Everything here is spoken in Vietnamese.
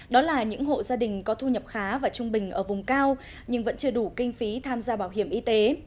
đó là những hộ gia đình có thu nhập khá và trung bình ở vùng cao nhưng vẫn chưa đủ kinh phí tham gia bảo hiểm y tế